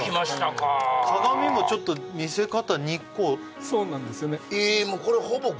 鏡もちょっと見せ方２個そうなんですよねえ